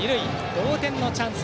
同点のチャンス